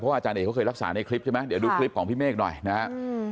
อาจารย์เอกเขาเคยรักษาในคลิปใช่ไหมเดี๋ยวดูคลิปของพี่เมฆหน่อยนะครับ